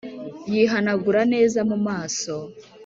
yihanagura neza mumaso